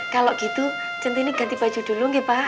kalau gitu centini ganti baju dulu ya pak